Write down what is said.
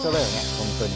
本当に。